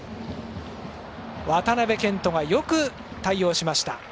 渡部健人がよく対応しました。